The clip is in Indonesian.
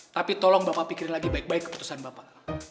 tapi tolong bapak pikir lagi baik baik keputusan bapak